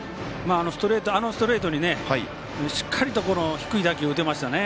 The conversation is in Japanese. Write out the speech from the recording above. あのストレートにしっかり低い打球、打てましたね。